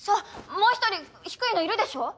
もう１人低いのいるでしょ！